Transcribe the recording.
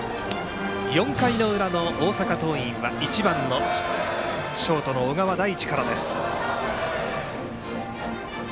４回の裏の大阪桐蔭は１番のショートの小川大地からです。